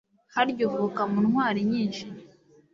Harya uvuka mu ntwari nyinshi,